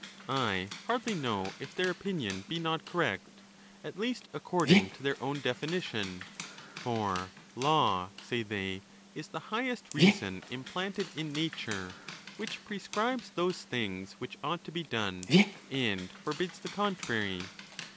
I hardly know if their opinion be not correct, at least according to their own definition; for " law," say they,: "is the highest reason implanted in nature, which prescribes those things which ought to be done, and forbids the con trary."